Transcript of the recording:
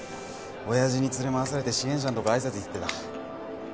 親父に連れ回されて支援者のとこ挨拶行ってた